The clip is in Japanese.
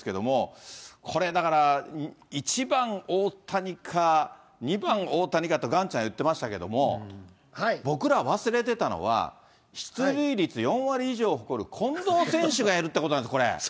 みんな仲いいんだなと思うんですけども、これだから、１番大谷か、２番大谷か、岩ちゃん言ってましたけども、僕ら忘れてたのは、出塁率４割以上を誇る近藤選手がいるってことなんです、これ。